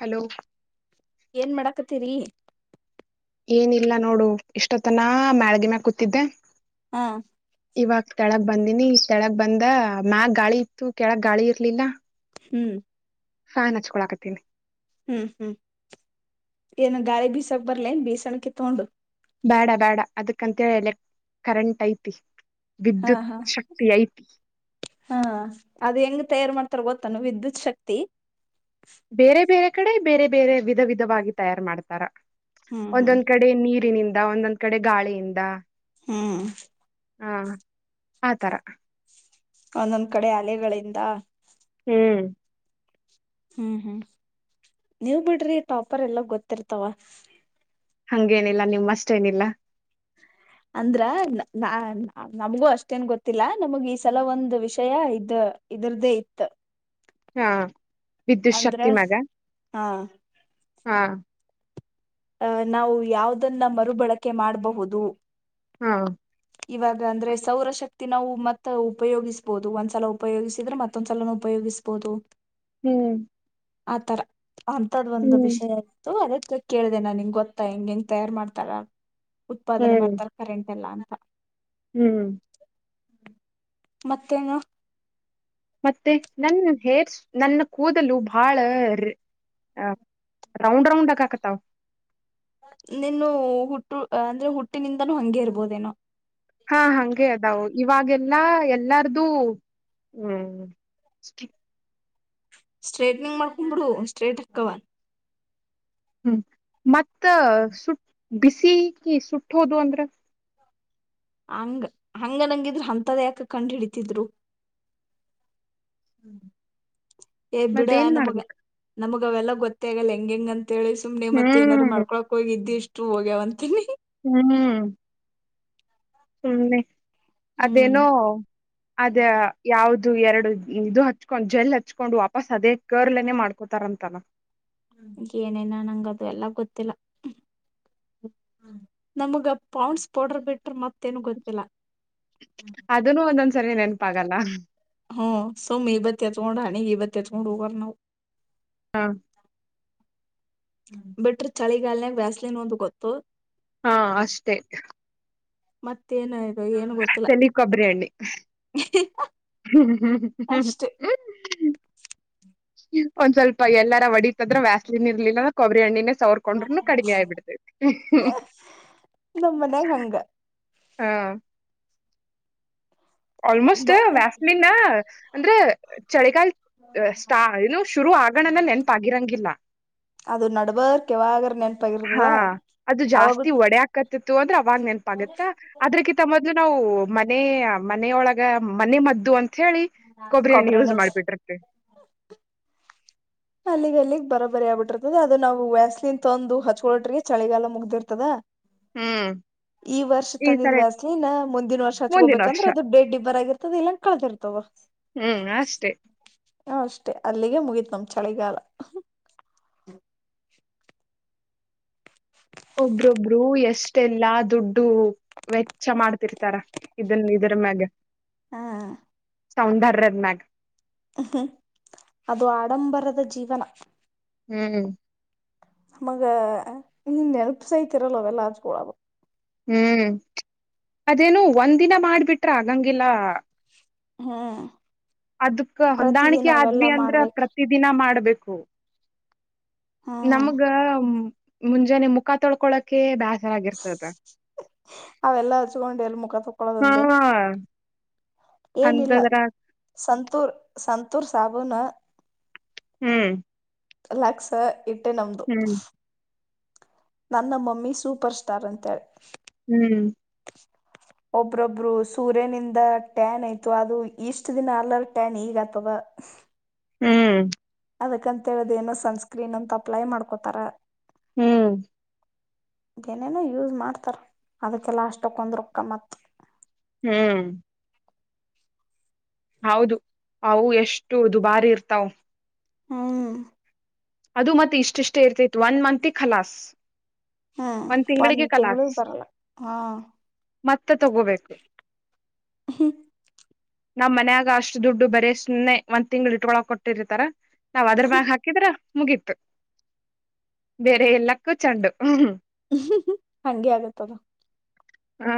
Hello ಏನ್ ಮಾಡಾಕತೀರಿ ಏನಿಲ್ಲ ನೋಡು ಇಷ್ಟೊತ್ತನ ಮ್ಯಾಳ್ಗೆ ಮ್ಯಲೆ ಕೂತಿದ್ದೆ ಹಾ ಇವಾಗ ಕೆಳಗ್ ಬಂದ ನಿಷ್ಟೆಳಗ್ ಬಂದ ಮ್ಯಾಗ ಗಾಳಿ ಇತ್ತು ಕೆಳಗ್ ಗಾಳಿ ಇರ್ಲಿಲ್ಲ ಹ್ಮ್ ಹಾನ್ ಹಚ್ಕೋಳಕತೀನಿ ಹ್ಮ್ ಹ್ಮ್ ಏನು ಗಾಳಿ ಬೀಸಕ್ ಬಾರ್ಲೆನು ಬೀಸಣ ಕಿ ತಗೊಂಡು ಬೇಡ ಬೇಡ ಅದಕ್ಕಂತೇಳಿ ಎಲೆಕ್ ಕರೆಂಟ್ ಐತಿ ಹಾ ವಿದ್ಯುತ್ ಹಾ ಶಕ್ತಿ ಐತಿ ಹಾ ಅದು ಹೆಂಗ ತಯಾರು ಮಾಡ್ತಾರ ಗೊತ್ತಾನ ವಿದ್ಯುತ್ ಶಕ್ತಿ ಬೇರೆ ಬೇರೆ ಕಡೆ ಬೇರೆ ಬೇರೆ ವಿಧ ವಿಧವಾಗಿ ತಯಾರು ಮಾಡ್ತಾರ ಹ್ಮ್ ಹ್ಮ್ ಒಂದೊಂದ್ ಕಡೆ ನೀರಿನಿಂದ ಒಂದೊಂದ್ ಕಡೆ ಗಾಳಿಯಿಂದ ಹ್ಮ್ ಹಾ ಆತರ ಒಂದೊಂದ್ ಕಡೆ ಅಲೆಗಳಿಂದ ಹ್ಮ್ ಹ್ಮ್ ಹ್ಮ್ ನೀವ್ ಬಿಡ್ರಿ ಟಾಪರ್ ಎಲ್ಲ ಗೊತ್ತಿರ್ತಾವ ಹಂಗೇನಿಲ್ಲ ನಿಮ್ ಅಷ್ಟೇನಿಲ್ಲ ಅಂದ್ರ ನಾ ನಮ್ಗೂ ಅಷ್ಟೇನ್ ಗೊತ್ತಿಲ್ಲ ನಮಗ ಈ ಸಲ ಒಂದು ವಿಷಯ ಇದ ಇದ್ರ್ದೇ ಇತ್ತು ಹಾ ವಿದ್ಯುತ್ ಅಂದ್ರ ಶಕ್ತಿ ನಗ ಹಾ ಹಾ ಅಹ ನಾವು ಯಾವ್ದನ್ನ ಮರುಬಳಕೆ ಮಾಡ್ಬಹುದು ಹಾ ಇವಾಗ ಅಂದ್ರೆ ಸೌರ ಶಕ್ತಿ ನಾವು ಮತ್ತ ಉಪಯೋಗಿಸ್ಬಹುದು ಒಂದ್ಸಲ ಉಪಯೋಗಿಸಿದ್ರೆ ಮತ್ತೊಂದ್ಸಲ ಉಪಯೋಗಿಸ್ಬಹುದು ಹ್ಮ್ ಆಥರ ಅಂತದ ಒಂದು ಹ್ಮ್ ವಿಷಯ ಇತತ್ತು ಅದಕ್ಕೆ ಕೇಳ್ದೇ ನನ್ ನಿಂಗ್ ಗೊತ್ತಾ ಹೆಂಗ ಹೆಂಗ್ ತಯಾರ್ು ಮಾಡ್ತಾರಾ ಉತ್ಪಾದನೆ ಹ್ಮ್ ಮಾಡ್ತಾರೆ ಕರೆಂಟ್ ಎಲ್ಲ ಹ್ಮ್ ಮತ್ತೇನು ಮತ್ತೆ ನನ್ನ ಹೇರ್ ನನ್ನ ಕೂದಲು ಬಹಳ ಹ ರೌಂಡ್ ರೌಂಡ್ ಕಾ ಕತ ನೀನು ಹುಟ್ಟು ಅಂದ್ರೆ ಹುಟ್ಟಿನಿಂದನೂ ಹಂಗೆ ಇರ್ಬೋದೇನೋ ಹಾ ಹಗೆ ಅದ ಇವಾಗೆಲ್ಲಾ ಎಲ್ಲಾರ್ದು ಹ್ಮ್ ಸ್ಟ್ರೇಟ್ನಿಂಗ್ ಮಾಡ್ಕೊಂಬಿಡು ಸ್ಟ್ರೇಟ್ ಹಾಕವ ಹ್ಮ್ ಮತ್ತ ಸುಟ್ ಬಿಸಿ ಕ ಸುಟ್ಟೋದು ಅಂದ್ರೆ ಹಂಗ ಹಂಗ ನಂಗಿದ್ರು ಅಂತದ ಯಾಕ ಕಂಡ ಹಿಡಿತಿದ್ರು ಬಿಡ ಮತ್ತ ಏನ್ ನಮಗ ಮಾಡ್ಬೇಕ ನಮಗ ಅವಲ್ಲ ಗೊತ್ತ ಆಗಲ್ಲ ಹೆಂ ಹೆಂಗ ಅಂತ ಅಂತೇಳಿ ಸುಮ್ಮನೆತ್ತ ಏನಾದ್ ಹ್ಮ್ ಮಾಡಕೊಳಕ್ ಹೋಗ ಇದಿದ್ದಿಷ್ಟ ು ಹೋಗ್ಯವಂತೀನಿ ಹ್ಮ್ ಹ್ಮ ಹ್ಮ ಹ್ಮ್ ಅದೇನೋ ಅದ ಯಾವ್ದ ಇದು ಎರಡು ಇದು ಹಚ್ಕೊಂಡ್ ಜೆಲ್ ಹಚ್ಕೊಂಡು ವಾಪಸ್ ಅದೇ ಕರ್ಲೆನೆ ಮಾಡ್ಕೋತಾರಂತಲ್ಲ ಹ ಏನೇನ ನಂಗದು ಎಲ್ಲಾ ಗೊತ್ತಿಲ್ಲ ನಮಗ ಪೌಂಡ್ಸ್ ಪೌಡರ್ ಬಿಟ್ರ ಮತ್ ಅದನ್ನು ಒಂದೊಂದ್ಸರಿ ನೆನಪಾಗಲ್ಲ ಸೊ ಮೀ ಇಬತ್ತತ್ಯತ್ ಮೂಊಡ ನೀ ಇಬತ್ತತ್ಯ ಚ ಮೂಡಗ ನವು ಹಾ ಬಿಟ್ರಿ ಚಳಿಗಾಲನಯಾಗ ವ್ಯಾಸ್ಲಿ ನ ಒಂದು ಗೊತ್ತು ಹಾ ಅಷ್ಟೇತ ಮತ್ತೇಏನಾಯ್ತು ಚಲ್ಲಿ ಕೊಬ್ಬರಿ್ಣಿ ಅಷ್ಟೇ ಒಂದ್ ಸ್ವಲ್ಪ ಎಲ್ಲಾರ ಒಡಿತಂದ್ರೆ ವ್ಯಸ್ಲಿನ ಇರ್ಲಿಲ್ಲ ಕೊಬ್ಬರಿ ಹಣ್ಣಿನೇ ಸೌರ್ ಕೊಂಡ್ರೆ ನೂ ಕಡಿಮೆ ಆಗಿಬಿಡ್ತಿತೈತಿ ನಮ್ ಮನ್ಯಾಗ ಹಂಗ ಹಾ ಆಲ್ಮೋಸ್ಟ್ ಬ ವ್ಯಾಸ್ಲಿನ್ ಅಂದ್ರೆ ಚಳಿಗಾಲ ಸ್ಟಾ ಇನ್ನು ಶುರು ಆಗಂಗಣನ ನೆನಪಾಗಿರಂಗಿಲ್ಲ ಅದು ನಡ್ಬರ್ಕ್ ಯಾವಾಗರ ಹಾ ನೆನಪಾಗಿರ್ತದ ಅದು ಅವಾಗ ಜಾಸ್ತಿ ಒಡೆ ಹಕತಿತ್ತು ಅಂದ್ರೆ ಅವಾಗ ನೆನಪ ಆಗತ್ತ ಅದ್ರೆಕಿತ ಮೊದಲು ನಾವು ಮನೆ ಮನೆಯೊಳಗ ಮನಿ ಮದ್ದು ಅಂತ ಅಂತ ಹೇಳಿ ಕೊಬ್ಬರಿ ಎಣ್ಣೆ ಯೂಸ್ ಕೊಬ್ಬರೆಣ್ಣೆ ಹಚ್ ಮಾಡಿಬಿಟ್ಟಿರ್ತೀವಿ ಅಲ್ಲಿಗೆ ಅಲ್ಲಿಗೆ ಬರಾಬರಿ ಆಗ್ಬಿಟ್ಟಿರ್ತದ ಅದು ನಾವು ವ್ಯಾಸ್ಲಿನ್ ತಂದು ಹಚ್ಕೊಟ್ರಿಗೆ ಚಳಿಗಾಲ ಮುಗ್ದಿರ್ತದ ಹ್ಮ್ ಈ ವರ್ಷ ಈ ತಂದಿದ್ವಿ ಸರಿ ವ್ಯಾಸ್ಲಿನ್ ಮುಂದಿನ ವರ್ಷ ಹಚ್ಕ ಮುಂದಿನ ಹ್ಬೇಕಂದ್ರೆ ವರ್ಷ ಅದ ಡೇಟ್ ಡಿಬಾರ್ ಆಗಿರುತ್ತದ ಇಲ್ಲಂದ್ರ ಕಳೆದಿರುತ್ತ ಹ್ಮ್ ಅಷ್ಟೇ. ಹ ಅಷ್ಟೇ ಅಲ್ಲಿಗೆ ಮುಗೀತ್ ನಮ್ದ ಚಳಿಗಾಲ ಒಬ್ರೊಬ್ರು ಎಷ್ಟೆಲ್ಲಾ ದುಡ್ಡು ವೆಚ್ಚ ಮಾಡ್ತಿರ್ತಾರ ಇದನ್ ಇದರ ಮ್ಯಾಗ ಹಾ ಸೌಂದರ್ಯದ ಮ್ಯಾಗ ಹ್ಹ ಅದು ಆಡಂಬರದ ಜೀವನ ಹಂ ನಮಗ ಇನ್ ನೆನಪಾಸಯಿತ ಇರಲ್ಲಾ ಅವೆಲ್ಲ ಹಚ್ಚಕೊಳ್ಳಕ್ಕ ಹ್ ಅದೇನು ಒಂದ ದಿನ ಮಾಡ್ಬಿಟ್ರ ಆಗಂಗಿಲ್ಲ ಹಂ ಅದಕ್ ಹೊಂದಾಣಿಕೆ ಆದ್ವಿ ಅಂದ್ರ ಮಾಡ್ಬೇಕ ಪ್ರತಿ ದಿನ ಮಾಡ್ಬೇಕು ಆಕ್ಕು ನಮಗ ಮುಂಜಾನೆ ಮುಖ ತೊಳ್ಕೊಳಕೆ ಬ್ಯಾಸರ ಅವೆಲ್ಲ ಹಚ್ಕೊಂಡು ಎಲ್ಲಿ ಮುಖ ಹಾ ತೊಕ್ಕೊಳೆಂದನು ಏನಿಲ್ಲ ಅಂತದ್ರ ಸಂತೂರ್ ಸ ಸಂತೂರ್ ಸಾಬನ್ ಹೂಂ ಲಕ್ಸ್ ಇಟ್ಟೇ ನಮ್ದು ನನ್ನ ಮಮ್ಮಿ ಸೂಪರ್ ಸ್ಟಾರ್ ಅಂತೇಳಿ ಹ ಒಬ್ರೊಬ್ರು ಸೂರ್ಯನಿಂದ ಟ್ಯಾನ್ ಆಯ್ತು ಅದು ಇಷ್ಟ ದಿನ ಆಗ್ಲಾರ ಟ್ಯಾನ್ ಈಗ ಆತದ ಹೂಂ ಅದಕ್ಕಂತ ಹೇಳಿ ಏನೋ ಸನ್ಸ್ಕ್ರೀನ್ ಅಂತ ಅಪ್ಲೈ ಮಾಡ್ಕೋತಾರ ಹುಂ ಏನೇನೋ ಯೂಸ್ ಮಾಡ್ತಾರ ಅದಕ್ಕೆಲ್ಲ ಅಷ್ಟಕ್ಕೊಂದ ರೊಕ್ಕ್ ಮತ್ತ ಹೂಂ ಹೌದು ಅವು ಎಷ್ಟು ದುಬಾರಿ ಇರ್ತಾವ ಹಂ ಅದು ಮತ್ತೆ ಇಷ್ಟಿಷ್ಟೇ ಇರ್ತಿತ್ ಒನ್ ಮತ್ಗೆ ಖಲಾಸ್ ಹ್ಮ್ ಒಂದ್ ತಿಂಗಳಿಗೆ ತಿಂಗಳ ಕಲಾಸ್ ಬರಲ್ಲ ಹಾ ಮತ್ತೆ ತಗೋಬೇಕು ಹ್ಮ್ ನಮ್ಮ್ ಮನ್ಯಾಗ ಅಷ್ಟು ದುಡ್ಡು ಬರ ಸುಮ್ನೆ ಒಂದ್ ತಿಂಗ್ ಇಟ್ಕೊಳ ಕೊಟ್ಟಿರ್ತಾರ ನಾವ್ ಅದ್ರ ಬಾಗ ಹಾಕಿದ್ರ ಮುಗೀತು ಬೇರೆ ಎಲ್ಲಕ್ಕೂ ಚೆಂಡು ್ಮ ಹಂಗಗೆ ಆಗತ್ತದು ಹಾ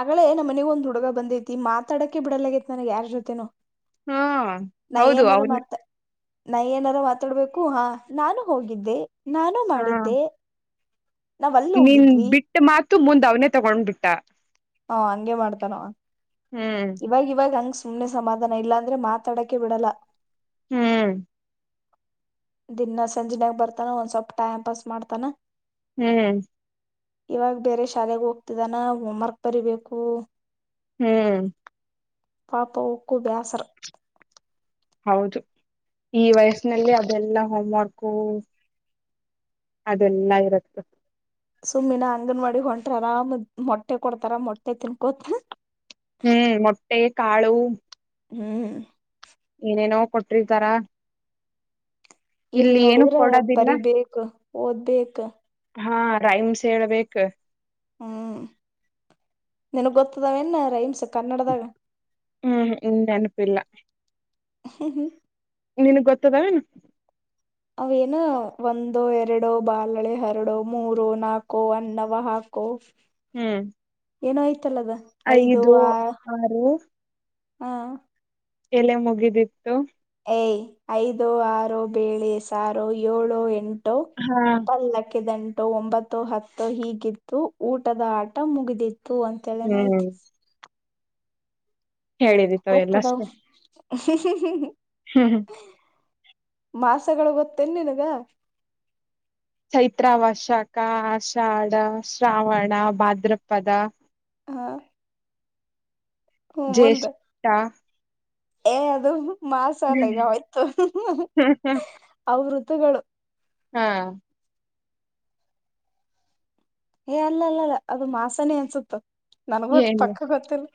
ಆಗಳೇ ನಮ್ಮ ಮನೆಗ ಒಂದ್ ಹುಡುಗ ಬಂದೈತಿ ಮಾತಾಡಕ್ಕೆೆ ಬಿಡಲ ಆತ್ ನನಗ್ ಯಾರ್ ಜೊತೆನೋ ಹಾ ಹೌದು ಅವನು ಮಾತ ನಾ ಏನಾರ ಮಾತಾಡ್ಬೇಕು ಹಾ ನಾನು ಹೋಗಿದ್ದೆ ನಾನು ಹ ಮಾಡಿದ್ದೆ ನಾವ್ ಅಲ್ಲಿ ನೀನ್ ಹೋಗಿದ್ವಿ ಬಿಟ್ಟ ಮಾತು ಮುಂದ್ ಅವನೇ ತಗೊಂಡ್ ಬಿಟ್ಟಾ ಹ ಹಂಗೆ ಮಾಡ್ತಾರ ಹ್ಮ್ ಇವಾಗ ಇವಾಗ ಹಂಗ ಸುಮನೆ ಸಮಾಧಾನ ಇಲ್ಲಾಂದ್ರೆ ಮಾತಾಡಕ್ಕೆೆ ಬಿಡಲ್ಲ ಹ್ಮ್ ದಿನಾ ಸಂಜೆನಾಗ ಬರ್ತಾನ ಒಂದ್ ಸ್ವಲ್ಪ ಟೈಮ್ ಪಾಸ್ ಮಾಡ್ತಾನ ಹ್ಮ್ ಇವಾಗ ಬೇರೆ ಶಾಲೆೆಗೆ ಹೋಗ್ತಿದ್ದಾನ ಹೋಮ್ವರ್ಕ್ ಬರಿೀಬೇಕು ಹ್ಮ್ ಪಾಪ ಉಕ್ಕೂ ಬೇಸರ್ ಹೌದು ಈ ವಯಸ್ಿನಲ್ಲಿ ಅದೆಲ್ಲಾ ಹೋಮ್ವರ್ಕು ಅದೆಲ್ಲಾ ಇರುತ್ತೆ ಸುಮ್ಮಿನ ಅಂಗನವಾಡಿ ಹೊಂಟ್ರ ಆರಾಮ್ ಮೊಟ್ಟೆ ಕೊಡ್ತಾರ ಮೊಟ್ಟೆ ತಿನ್ಕೋತ ಹ್ಮ್ ಮೊಟ್ಟೆ ಕಾಳು ಹ್ಮ್ ಕೊಟ್ರತಾರ ಇಲ್ ನೋಡಿದ್ರ ಕೊಡೋದಿಲ್ಲ ಬರಿಬೇಕು ಓದ್ಬೇಕ ಹಾ ರೈಮ್ಸ್ ಹೇಳ್ಬೇಕ ಹ್ಮ್ ನನ್ಗ್ ಗೊತ್ತದಾವ ನ್ ರೈಮ್ಸ್ ಕನ್ನಡದಾಗ ಹ್ಮ್್ ಇ ಅನಪಿಲ್ಲ ಹ ನಿನಗ್ ಗೊತ್ತದ ಅವೇನ ಒಂದೋ ಎರಡುೋ ಬಲ್ಳೆ ಹರಡುೋ ಮೂರು ನಾಕು ಅನ್ನವ ಹಾಕೋ ಹ್ಮ್ ಏನ ಆ್ ಐದು ಆರು ಹಾ ಎಲೆ ಮುಗಿದಿತ್ತು ಐದು ಆರು ಬೇಳೆ ಸಾರು ಏಳು ಎಂಟು ಹಾ ಪಲ್ಲಕ್ಕೆ ದಂ ಒಂಬತ್ತು ಹತ್ತು ಹೀಗಿತ್ತು ಊಟದ ಆಟ ಮುಗಿದಿತ್ತು ೂ ಅಂತೇಳೇನ ಆಯ್ತಿ ಹ್ಮ್ ಹೇಳಿದ ತಾವ ಎಲ್ಲಷ್ಟೇ ಹ ಹ ಹ ಹ್ ಮಾಸಗಳು ಗೊತ್ತನ್ ನಿನಗ ಚೈತ್ರಾವಶಕ ಆಷಾಢ ಶ್ರಾವಣ ಭಾದ್ರಪದ ಹಾ ಜ್ಯೇಷಠಾ ಏ ಅದು ಮಾಸಾಲೆಗೆ ಆಯ್ತು ಅವ್ರದ ಹತಗಳು ಹಾ ಏ ಅಲ್ಲ ಅಲ್ಲಲ್ಲ ಅದು ಮಾಸನೇ ಅನ್ಸುತ್ತ ನನ್ಗಟ್ಟ ಏನು ಪಕ್ಕ ಗೊತ್ತಿಲ್ಲ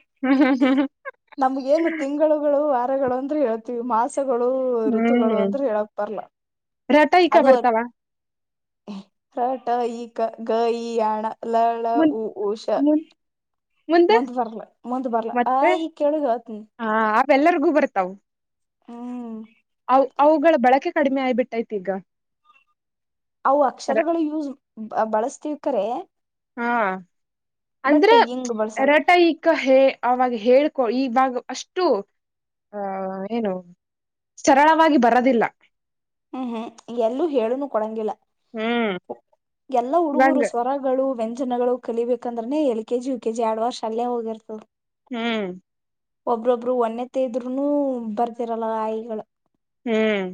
ನಮಗೇನು ತಿಂಗಳುಗಳು ಅಂದ್ರೆ ಹೇಳ್ತೀವಿ ಮಾಸ ಷಗಳು ಋತುಗಳು ಅಂದ್ರರು ಹೇಳಕ್ ಬರ್ಲ್ಲ ರತೈಕ ಬರ್ತವಾ ರಟ ಈ ಗ ಗ ಈಯಣ ಲಳ ಮುನ್ ಉಊ ಉಷಾ ಮುನ್ ಮುಂದೆ ಮಂದ್ ಬರ್ಲ ಮಂದ್ ಬರ್ಲ ಆ ಈ ಕೆೇಳಗ ಆತ್ನ್ ಎಲ್ಲರಿಗೂ ಬರ್ತಾವ ಹ್ಮ ಅವುಗಳ ಬಳಕೆ ಕಡಿಮೆ ಆಯಬಿಟ್ಟೈತಿ ಈಗ ಅವು ಅಕ್ಷರಗಳು ಯೂಸ್ ಬಳಸ್ತಿವಿ ಕ್ಕರೆ ಹಾ ಅಂದ್ರ ಹಿಂಗ್ ಬಳಸಲ್ಲ ರಟೈಕ ಹೇ ಆಾಗ ಹೇಳ್ಕೊ ಈವಾಗ ಅಷ್ಟು ಆಹ ಏನು ಸರಳವಾಗಿ ಬರದಿಲ್ಲ ಹ್ಮ್ ಹ್ಮ್ ಎಲ್ಲೂ ಹೇಳುನು ಕೊಡಂಗಿಲ್ಲ ಹ್ಮ್ ಎಲ್ಲಾ ಹುಡುಗರು ಇವಂಗ ಸ್ವರಗಳು ವೆಂ ಜನಗಳು ಕಲಿಬೇಕಂದ್ರನೆ L K G U K G ಆಡವರ್ಷ ಅಲ್ಲೇ ಹೋಗಿರ್ತವೆ ಹ್ಮ್ ಒಬ್ರೊಬ್ರು ಒನ್ನೆ ತದ್ರುನು ಬರ್ತಿರಲ್ಲ ಆಾಯಿಗಳ ಹ್ಮ್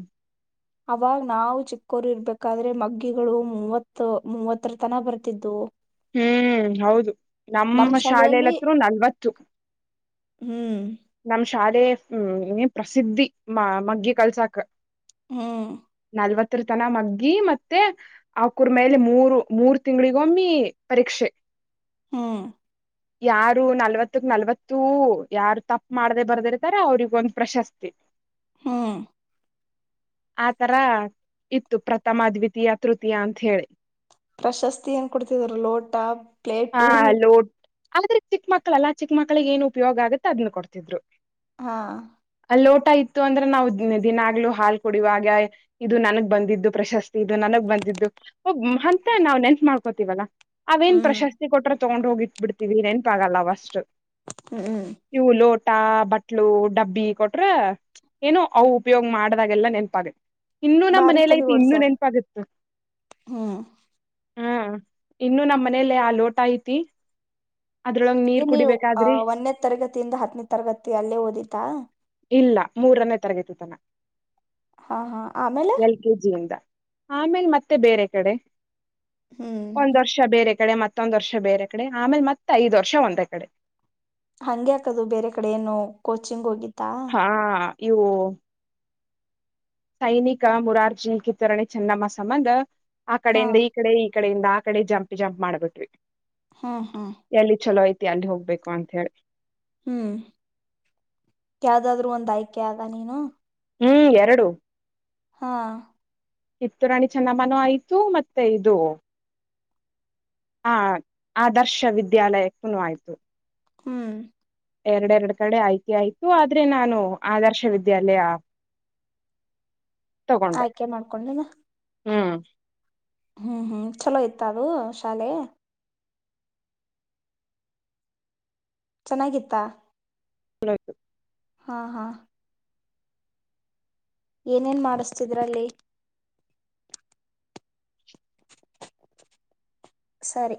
ಅವಾಗ ನಾವು ಚಿಕ್ಕೋರು ಇರ್ಬೇಕಾದ್ರೆ ಮಗ್ಗಿಗಳು ಮೂವತ್ ಮೂವತ್ತರ ತನ ಬರ್ತಿದ್ದವು ಹ್ಮ್ ಹೌದು ನಮ್ ನಮ್ಮ ಶಾಲೆಯಲ್ಲಿ ಶಾಲಲತ್ರರು ನಲ್ವತ್ತು ಹ್ಮ್ ನಮ ಶಾಲೆ ಹ್ಮ ಪ್ರಸಿದ್ಧಿ ಮ ಮಗ್ಗೆಿ ಕಲ್ಸಾಕ್ ಹ್ಮ್ ನಲ್ವತ್ತರ ತನ ಮಗ್ಗಿ ಮತ್ತೆ ಆಕೂರ್ ಮೇಲೆ ಮೂರು ಮೂರ್ ತಿಂಗಗಳಿಗೊಮ್ಮಿ ಪರೀಕ್ಷೆ ಹ್ಮ್ ಯಾರು ನಲ್ವತ್ತಕ್ ನಲ್ವತ್ತುೂ ಯಾರು ತಪ್ಪ ಮಾಡದೇ ಬರ್ದಿರ್ತಾರೆ ಅವ್ರಗ ಒಂದ್ ಪ್ರಶಸ್ತಿ ಹ್ಮ್ ಆತರ ಇತ್ತು ಪ್ರಥಮದ್ವಿತೀಯ ತೃತೀಯ ಅಂತ ಹೇಳಿ ಪ್ರಶಸ್ತಿ ಏನ್ ಕೊಡ್ತಿದರು ಲೋಟ ಆ ಪ್ಲೇಟು ಲೋಟ್ ಆದ್ರೆ ಚಿಕ್ಕ ಮಕ್ಕಳಲ್ಲಾ ಚಿಕ್ಕ ಮಕ್ಳಿಗೆ ಏನ್ ಉಪಯೋಗ ಆಗುತ್ತೆ ಅದನ್ನ ಕೊಡ್ತಿದ್ರು ಹಾ ಅ ಲೋಟ ಇತ್ತು ಅಂದ್ರೆ ನಾವು ದಿನಾಗ್ಲುೂ ಹಾಲ್ ಕುಡಿಯುವಾಗ ಇದು ನನಗ್ ಬಂದಿದ್ದು ಪ್ರಶಸ್ತಿ ಇದು ನನಗ್ ಬಂದಿದ್ದುೋಗ ಅಂತ ನಾವ್ ನೆನ್ತ್ ಮಾಡ್ಕೋತಿವಾಗ ಅವೇನ್ ಹ್ಮ್ ಪ್ರಶಸ್ತಿ ಕೊಟ್ಟ್ರೆ ತಗೊಂಡ ಹೋಗಿಟ್ಬ ಬಿಡ್ತೀವಿ ನೆನಪಾಗಲ್ಲ ಅಫಸ್ಟ್ ಹ್ಮ್್ಮ ತಟ ಬಟ್ಲು ಡಬ್ಬಿ ಕೊಟ್ರ ಏನುೋ ಅವ ಉಪಯೋಗ ಮಾಡ್ದಾಗೆಲ್ಲ ನೆನಪಾಗ ಇನ್ನುೂ ನಮ್ಮ ಬಾರಿ ತಲಿ ಮನೇಲಐತಿ ಇನ್ನೂ ಓಡ್ಸ್ಯಾರ ನೆನಪಾಗಿತ್ತು ಹ್ಮ್ ಹಾ ಇನ್ನುೂ ನಮ್ಮ ಮನೇೆಯಲ್ಲಿ ಆ ಲೋಟ ಆಯತಿ ಇ ನೀವು ಅ ಒಂದೇ ತರಗತಿಯಿಂದ ಹತ್ತನೇದ್ ತರಗತಿ ಅಲ್ಲೇ ಓದಿತಾ ಇಲ್ಲ ಮೂರನೇ ತರಗತಿ ತನ ಹಾ ಹಾ ಆಮೇಲೆ ಎಲ್ ಕೆಜಿಯಿಂದ ಆಮೇಲೆ ಮತ್ತೆ ಬೇರೆ ಕಡೆ ಹ್ಮ್ ಒಂದ್ ವರ್ಷ ಬೇರೆ ಕಡೆ ಮತ್ತ ಮತ್ತೊಂದ್ ವರ್ಷ ಬೇರೆ ಕಡೆ ಆಮೇಲೆ ಮತ್ತೆ ಐದ್ ವರ್ಷ ಒಂದೇ ಕಡೆ ಹಂಗೆ ಆಕದು ಬೇರೆ ಕಡೆ ಏನು ಕೋಚಿಂಗ್ ಹೋಗಿತ್ತು ಹಾ ಇವು ಸೈನಿಕ ಮುರಾರ್ಜನಕ್ಕೆ ತರಣೆ ಚೆನ್ನಮ್ಮ ಸಂಬಂಧ ಆ ಹಾ ಕಡೆೆಯಿಂದ ಈ ಕಡೆ ಈ ಕಡೆಯಿಂದ ಆ ಕಡೆ ಜಂಪ್ ಜಂಪ್ ಮಾಡ್ಬಿಟ್ವಿ ಹ್ಮ್ ಹ್ಮ್ ಎಲ್ಲಿ ಚಲೋ ಆಯ್ತು ಅಲ್ಲಿ ಹೋಗ್ಬೇಕು ಅಂತ ಹೇಳಿ ಹ್ಮ್ ಯಾವ್ದಾದ್ರು ಒಂದ್ ಆಯ್ಕೆ ಆಗ ನೀನು ಹ್ಮ್ ಎರಡು ಹಾ ಇತ್ತು ರಾಣಿ ಚೆನ್ನಮನ ಆಯ್ತು ಮತ್ತೆ ಇದು ಆ ಆದರ್ಶ ವಿದ್ಯಾಲಯ ಕುನ ಆಯ್ತು ಹ್ಮ್ ಎರಡೆರಡ್ ಕಡೆ ಆಯ್ತಿ ಆಯ್ತು ಆದ್ರೆ ನಾನು ಆದರ್ಶವಿದ್ಯಾಲಯ ಆಯ್ಕೆ ಮಾಡ್ಕೊಂಡಿನ ಹ್ಮ್ ಹ್ಮ್ ಹ್ಮ್ ಚಲೋ ಇಯ್ತ ಅದು ಶಾಲೆ ಚೆನ್ನಾಗಿತ್ತಾ ಹ ಹಾ ಹಾ ಏನೇನ್ ಮಾಡಿಸತಿದ್ರಲ್ಲಿ ಸರಿ